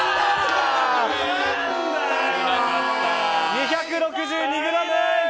２６２ｇ！